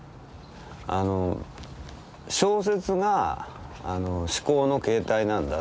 小説が思考の形態なんだって。